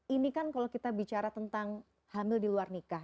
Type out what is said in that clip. ini kan kalau kita bicara tentang hamil di luar nikah